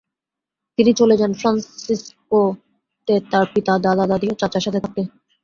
তিনি চলে যান ফ্রান্সিসকো তে তার পিতা, দাদা-দাদী ও চাচার সাথে থাকতে।